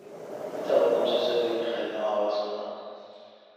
می توانم چیزهایی را که خریدم عوض کنم؟